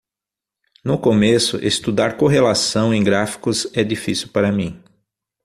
No começo, estudar correlação em gráficos é difícil para mim.